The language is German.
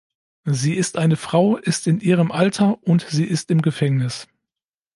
Sie ist eine Frau, ist in Ihrem Alter, und sie ist im Gefängnis.